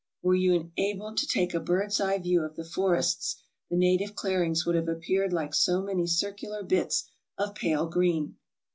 Were you enabled to take a bird's eye view of the AFRICA 343 forests, the native clearings would have appeared like so many circular bits of pale green.